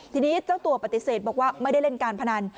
ทีนี้เจ้าตัวปฏิเสธบอกว่าไม่ได้เล่นการพนัน